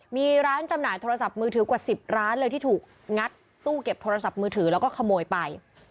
มีร้านจำหน่ายโทรศัพท์มือถือกว่า๑๐ร้านเลยที่ถูกงัดตู้เก็บโทรศัพท์มือถือแล้วก็ขโมยไป